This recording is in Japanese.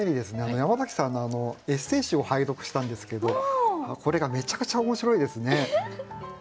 山崎さんのエッセー集を拝読したんですけどこれがめちゃくちゃ面白いですね。